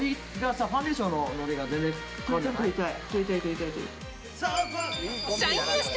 ファンデーションのノリが全然変わるんじゃない？